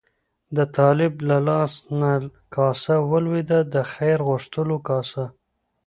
د طالب له لاس نه کاسه ولوېده، د خیر غوښتلو کاسه.